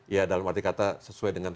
ya dalam arti kata sesuai dengan